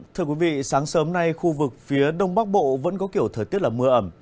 thưa quý vị sáng sớm nay khu vực phía đông bắc bộ vẫn có kiểu thời tiết là mưa ẩm